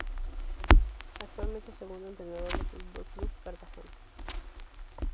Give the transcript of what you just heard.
Actualmente es segundo entrenador de Fútbol Club Cartagena.